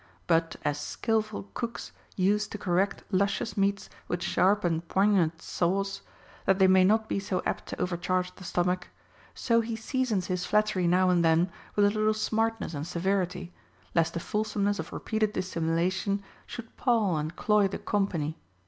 But as skilful cooks use to correct luscious meats with sharp and poignant sauce, that they may not be so apt to overcharge the stomach ; so he seasons his flattery now and then with a little smartness and severity, lest the fulsomeness of repeated dissimula tion should pall and cloy the company.